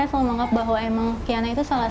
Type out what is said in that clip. saya selalu menganggap bahwa emang kiana itu salah